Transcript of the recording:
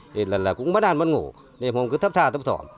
thì lần này cũng mất ăn mất ngủ đêm hôm cứ thấp thà thấp thỏm